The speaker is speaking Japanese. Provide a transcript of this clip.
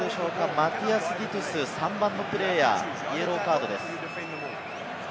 マティアス・ディトゥス、３番のプレーヤー、イエローカードです。